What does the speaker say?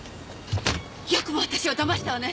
よくも私を騙したわね！